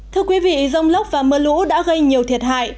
thưa quý vị rông lốc và mưa lũ đã gây nhiều thiệt hại